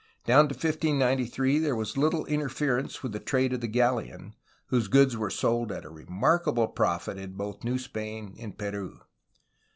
Down to 1593 there was little interference with the trade of the galleon, whose goods were sold at a remarkable profit in both New Spain and Peru.